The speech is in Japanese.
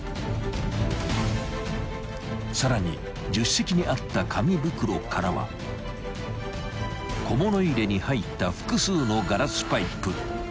［さらに助手席にあった紙袋からは小物入れに入った複数の］